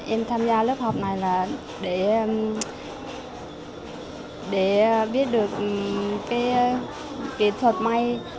em tham gia lớp học này là để biết được cái kỹ thuật may